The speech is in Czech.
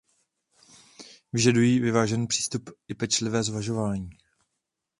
Vyžadují vyvážený přístup i pečlivé zvažování.